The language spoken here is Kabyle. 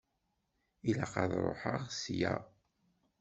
Ilaq ad truḥeḍ ssya.